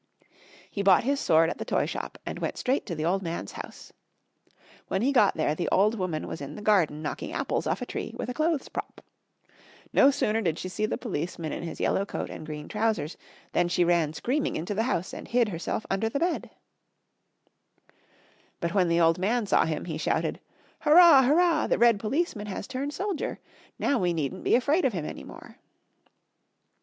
He bought his sword at the toy shop and went straight to the old man's house. When he got there the old woman was in the garden knocking apples off a tree with a clothes prop. No sooner did she see the policeman in his yellow coat and green trousers than she ran screaming into the house, and hid herself under the bed. [Illustration: The old woman was knocking apples off a tree.] But when the old man saw him he shouted, "Hurrah, hurrah, the red policeman has turned soldier. Now we needn't be afraid of him any more."